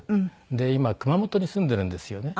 で今熊本に住んでいるんですよね。